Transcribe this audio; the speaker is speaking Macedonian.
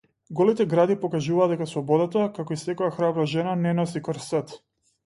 Голите гради покажуваат дека слободата, како и секоја храбра жена, не носи корсет.